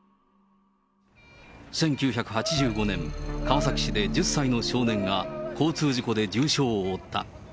１９８５年、川崎市で１０歳の少年が交通事故で重傷を負った。